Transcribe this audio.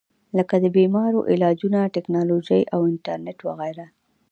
لکه د بيمارو علاجونه ، ټېکنالوجي او انټرنيټ وغېره